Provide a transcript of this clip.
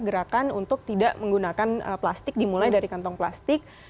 gerakan untuk tidak menggunakan plastik dimulai dari kantong plastik